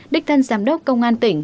đích thân giám đốc công an tỉnh